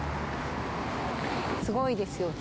すごいですよね。